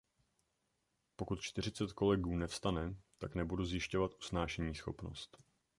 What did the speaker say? Pokud čtyřicet kolegů nevstane, tak nebudu zjišťovat usnášeníschopnost.